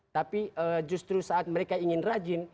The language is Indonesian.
tapi justru saat mereka ingin rajin